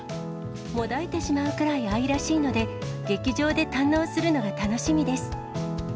もだえてしまうくらい愛らしいので、劇場で堪能するのが楽しみです。